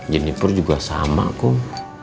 jenipur juga sama kum